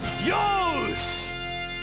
よし！